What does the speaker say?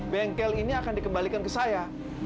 bengkel ini akan dikembalikan ke saya